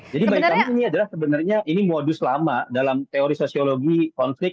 jadi bagi kami ini adalah sebenarnya modus lama dalam teori sosiologi konflik